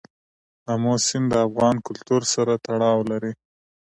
آمو سیند د افغان کلتور سره تړاو لري.